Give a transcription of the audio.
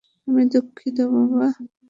আমি দুঃখিত, বাবা!